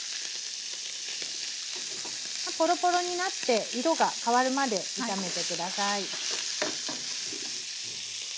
ポロポロになって色が変わるまで炒めて下さい。